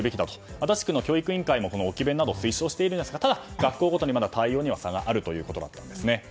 足立区の教育委員会も置き勉を推奨していますがただ、学校ごとに対応には差があるということだったんです。